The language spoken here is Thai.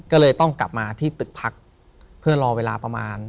ก็เลยต้องกลับมาที่ตึกพักเพื่อรอเวลาประมาณ